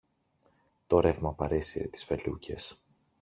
Το ρεύμα παρέσυρε τις φελούκες